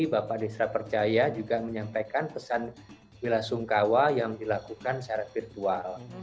bapak desra percaya juga menyampaikan pesan bela sungkawa yang dilakukan secara virtual